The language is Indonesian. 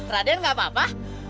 raden gak apa apa